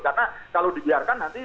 karena kalau dibiarkan nanti supaya